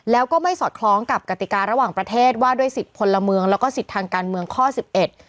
แล้วก็ไม่สอดคล้องกับกติการะหว่างประเทศว่าด้วยสิทธิ์พลเมืองแล้วก็สิทธิ์ทางการเมืองข้อสิบเอ็ด